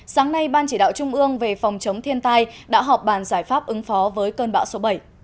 sáng nay ban chỉ đạo trung ương về phòng chống thiên tai đã họp bàn giải pháp ứng phó với cơn bão số bảy